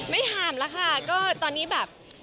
ไม่ถามแล้วค่ะก็ตอนนี้แบบ